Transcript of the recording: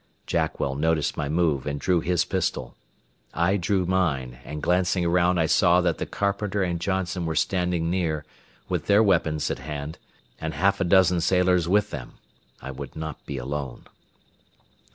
Jackwell noticed my move and drew his pistol. I drew mine, and glancing around I saw that the carpenter and Johnson were standing near, with their weapons at hand, and half a dozen sailors with them. I would not be alone.